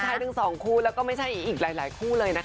ใช่ทั้งสองคู่แล้วก็ไม่ใช่อีกหลายคู่เลยนะคะ